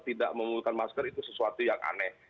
tidak menggunakan masker itu sesuatu yang aneh